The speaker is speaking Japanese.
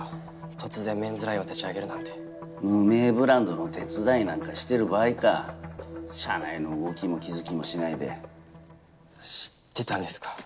突然メンズライン無名ブランドの手伝いなんかしてる場合か社内の動きも気付きもしないで知ってたんですか？